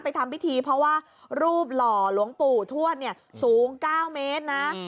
ทำพิธีเพราะว่ารูปหล่อหลวงปู่ทวดเนี่ยสูง๙เมตรนะ